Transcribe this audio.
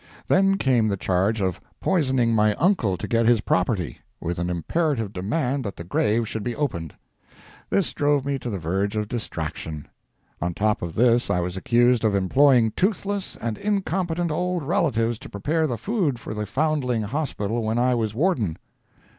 Then came the charge of poisoning my uncle to get his property, with an imperative demand that the grave should be opened. This drove me to the verge of distraction. On top of this I was accused of employing toothless and incompetent old relatives to prepare the food for the foundling hospital when I was warden.